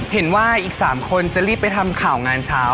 เห็นว่าอีก๓คนจะรีบไปทำข่าวงานเช้า